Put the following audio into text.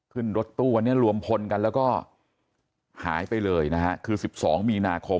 ขึ้นรถตู้วันนี้รวมพลกันแล้วก็หายไปเลยนะฮะคือ๑๒มีนาคม